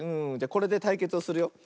これでたいけつをするよ。